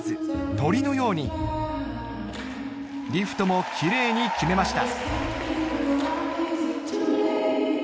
鳥のようにリフトもキレイに決めました